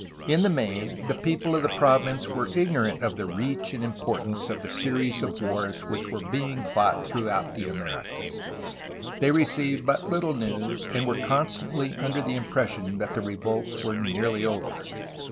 In the main, the people of the province were ignorant of the reach and im portance of the series of wars which were being fought throughout the Americas. They received but little news, and were constantly under the impression that the revolts were nearly over.